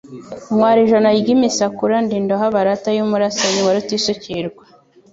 ntwara ijana ry' imisakura ndi Indoha barata y'umurasanyi wa Rutisukirwa,